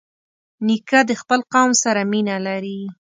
نیکه د خپل قوم سره مینه لري.